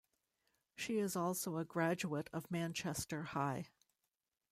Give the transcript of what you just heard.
She is also a graduate of Manchester High.